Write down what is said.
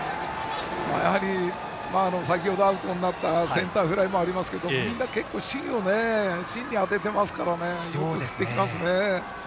先程アウトになったセンターフライもありますけどみんな結構芯に当てていますからよく振ってきますね。